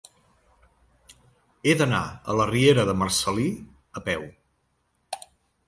He d'anar a la riera de Marcel·lí a peu.